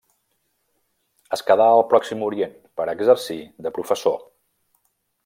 Es quedà al Pròxim Orient per exercir de professor.